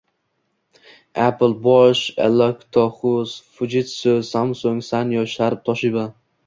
Apple, Bosch, Electolux, Fujitsu, Samsung, Sanyo, Sharp, Toshiba